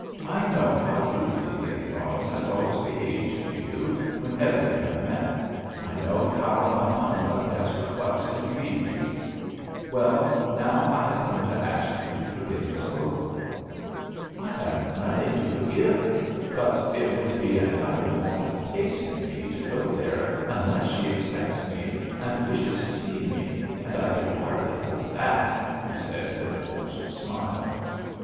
I know how rudely Lady Broadhem has always behaved to you whenever you have met I know how my conduct has perplexed and grieved you. Well, now, I have come to ask you to forgive us both." "I have nothing to forgive; but it would be an utter want of taste in me to go there unless she expects me, and wishes to see me, and I can hardly hope that," he said, with a forced smile.